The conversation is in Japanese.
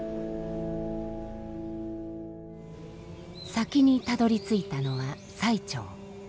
先にたどりついたのは最澄。